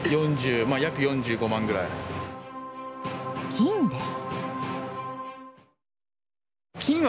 金です。